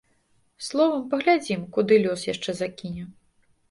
Словам, паглядзім, куды лёс яшчэ закіне!